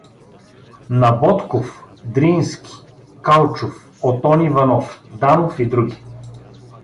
Набодков, Дрински, Калчов, Отон Иванов, Данов и други.